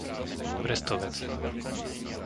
Brestovec